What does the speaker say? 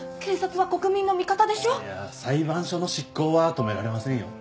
いや裁判所の執行は止められませんよ。